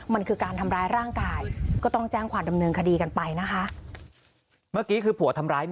มันคือการทำร้ายร่างกายก็ต้องแจ้งความดำเนินคดีกันไปนะคะ